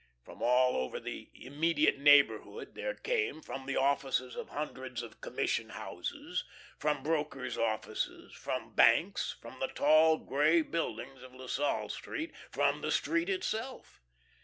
From all over the immediate neighborhood they came, from the offices of hundreds of commission houses, from brokers' offices, from banks, from the tall, grey buildings of La Salle Street, from the street itself.